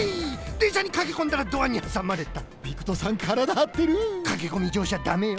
でんしゃにかけこんだらドアにはさまれたピクトさんからだはってるかけこみじょうしゃだめよ。